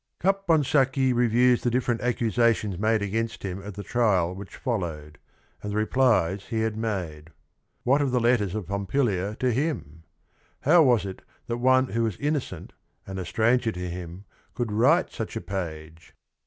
Caponsacchi reviews the different accusations made against him at the trial which followed, and the replies he had made. "What of the letters of Pompilia to him? How was it that one who was innocent and a stranger to him could write such a page